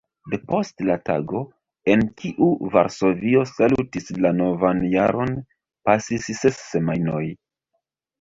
Depost la tago, en kiu Varsovio salutis la novan jaron, pasis ses semajnoj.